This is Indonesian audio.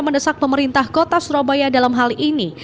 mendesak pemerintah kota surabaya dalam hal ini